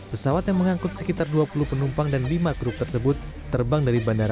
pesawat yang mengangkut sekitar dua puluh penumpang dan lima grup tersebut terbang dari bandara